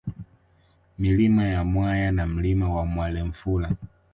Milima ya Mwaya na Mlima wa Mwelamfula